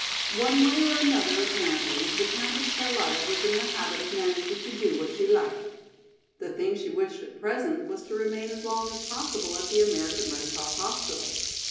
One way or another apparently the Countess Charlotta was in the habit of managing to do what she liked. The thing she wished at present was to remain as long as possible at the American Red Cross hospital.